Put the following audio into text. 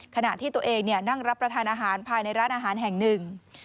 ขณะที่ตัวเองนั่งรับประทานอาหารภายในร้านอาหารแห่งหนึ่ง